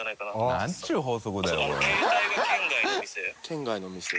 圏外の店。